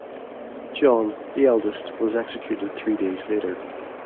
John, the eldest, was executed three days later.